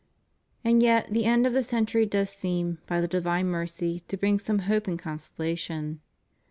And yet the end of the century does seem, by the divine mercy, to bring some hope and con solation.